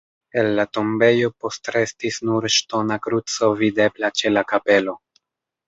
El la tombejo postrestis nur ŝtona kruco videbla ĉe la kapelo.